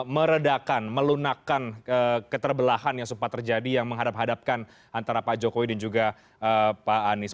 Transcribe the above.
meredakan melunakan keterbelahan yang sempat terjadi yang menghadap hadapkan antara pak jokowi dan juga pak anies